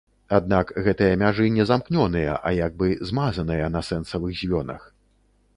Аднак гэтыя мяжы не замкнёныя, а як бы змазаныя на сэнсавых звёнах.